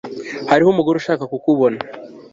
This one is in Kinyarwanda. Hariho umugore ushaka kukubona